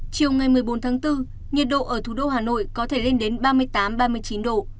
chiều ngày một mươi bốn tháng bốn nhiệt độ ở thủ đô hà nội có thể lên đến ba mươi tám ba mươi chín độ